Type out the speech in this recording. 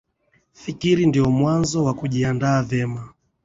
fikiri ndio mwanzo wa kujiandaa vema